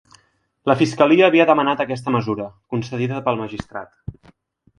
La fiscalia havia demanat aquesta mesura, concedida pel magistrat.